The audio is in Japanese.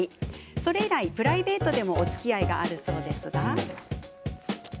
それ以来、プライベートでもおつきあいがあるそうですが。